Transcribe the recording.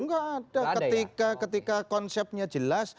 nggak ada ketika konsepnya jelas